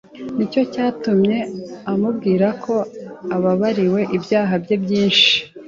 " Ni cyo cyatumye amubwira ko «ababariwe ibyaha bye byinshi